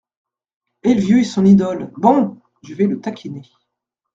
Elleviou est son idole, bon ! je vais le taquiner…